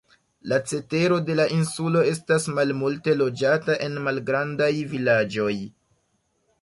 La cetero de la insulo estas malmulte loĝata en malgrandaj vilaĝoj.